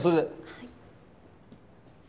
はい。